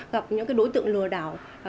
gặp những đối tượng lừa đảo